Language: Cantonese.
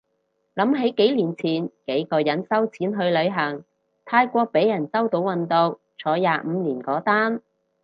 諗起幾年前幾個人收錢去旅行，泰國被人周到運毒坐廿五年嗰單